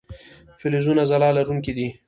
فلزونه ځلا لرونکي دي.